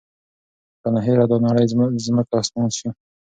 رانه هېره دا نړۍ ځمکه اسمان شي